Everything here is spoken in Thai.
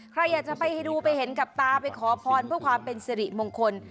ใครอยากจะไปให้ดูไปเห็นกับตาไปขอพรเพื่อความเป็นสิริมงคล